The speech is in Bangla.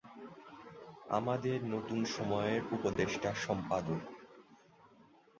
আমাদের নতুন সময়ের উপদেষ্টা সম্পাদক।